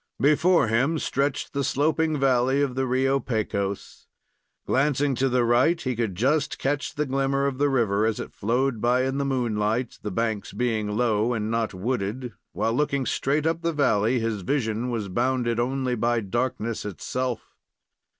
Before him stretched the sloping valley of the Rio Pecos. Glancing to the right, he could just catch the glimmer of the river as it flowed by in the moonlight, the banks being low and not wooded, while looking straight up the valley, his vision was bounded only by darkness itself.